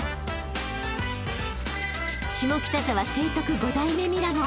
［下北沢成徳五代目ミラモン］